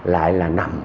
lại là nằm